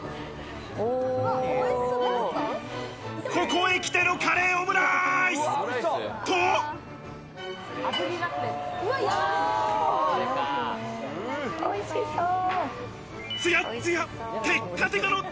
ここへ来てのカレーオムライおいしそう。